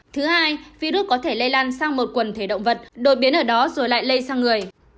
thứ hai virus có thể lây lan sang một quần thể động vật đột biến ở đó rồi lại lây sang người